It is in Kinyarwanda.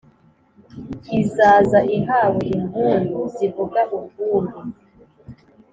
izaza ihawe impundu zivuga urwunge.